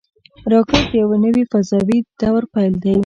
راکټ د یوه نوي فضاوي دور پیل دی